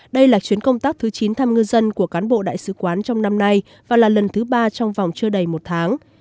đây là chuyến công tác thứ chín thăm ngư dân của cán bộ đại sứ quán trong năm nay và là lần thứ ba trong vòng chưa đầy một tháng